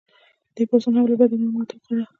دې پاڅون هم له بده مرغه ماته وخوړه.